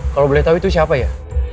kalau boleh tahu itu siapa ya